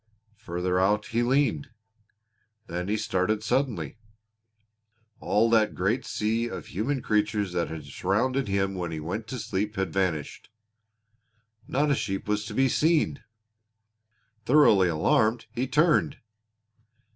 Further out he leaned. Then he started suddenly. All that great sea of human creatures that had surrounded him when he went to sleep had vanished! Not a sheep was to be seen. Thoroughly alarmed, he turned.